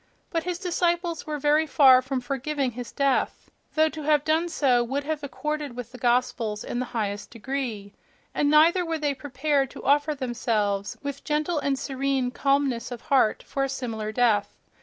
But his disciples were very far from forgiving his death—though to have done so would have accorded with the Gospels in the highest degree; and neither were they prepared to offer themselves, with gentle and serene calmness of heart, for a similar death....